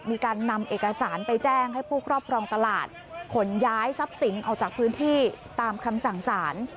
มีการนำเอกสารไปแจ้งให้ผู้ครอบครองตลาดขนย้ายทรัพย์สินออกจากพื้นที่ตามคำสั่งสาร